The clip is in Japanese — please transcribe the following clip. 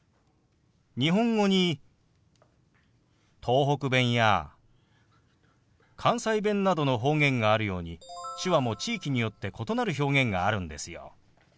日本語に東北弁や関西弁などの方言があるように手話も地域によって異なる表現があるんですよ。